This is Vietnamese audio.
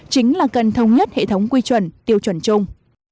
chính là cần thông nhất hệ thống quy chuẩn tiêu chuẩn chung